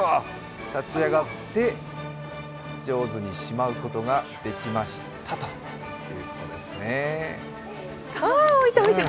立ち上がって上手にしまうことができましたということですね。